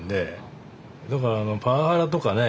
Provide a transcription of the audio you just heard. だからパワハラとかね